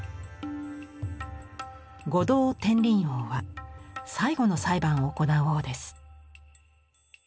五道転輪王は最後の裁判を行う王です。